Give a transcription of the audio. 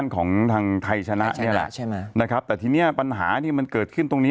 ของทางไทยชนะเนี่ยแหละแต่ทีนี้มันปรัญหาเกิดขึ้นตรงนี้